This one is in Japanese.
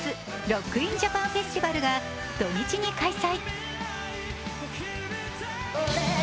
ＲＯＣＫＩＮＪＡＰＡＮＦＥＳＴＩＶＡＬが土日に開催。